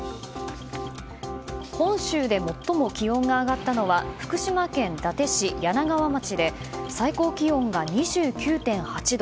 本州で最も気温が上がったのは福島県伊達市梁川町で最高気温が２９．８度。